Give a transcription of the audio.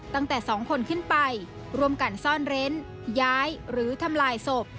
ตั้งแต่๒คนขึ้นไปร่วมกันซ่อนเร้นย้ายหรือทำลายศพ